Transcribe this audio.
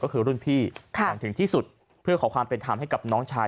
ก็คือรุ่นพี่อย่างถึงที่สุดเพื่อขอความเป็นธรรมให้กับน้องชาย